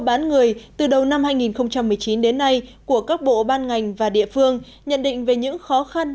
bán người từ đầu năm hai nghìn một mươi chín đến nay của các bộ ban ngành và địa phương nhận định về những khó khăn